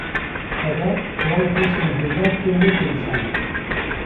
Xweda van kesên dildar kêm neke înşellah.